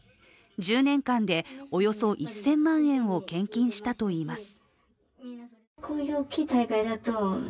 １０年間でおよそ１０００万円を献金したといいます。